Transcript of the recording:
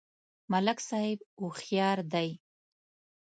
ملک صاحب هوښیار دی.